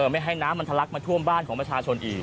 ไม่ให้น้ำมันทะลักมาท่วมบ้านของประชาชนอีก